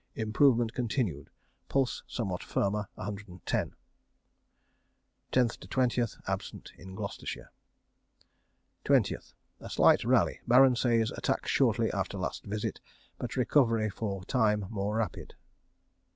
Improvement continued. Pulse somewhat firmer, 110. (10th to 20th. Absent in Gloucestershire.) 20th. A slight rally. Baron says attack shortly after last visit, but recovery for time more rapid.